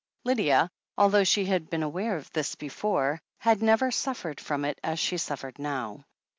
Lydia, although she had been aware of this before, had never suffered from it as she suffered now.